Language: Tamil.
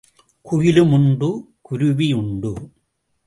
குயிலும் உண்டு, குருவி உண்டு.